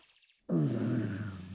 うん。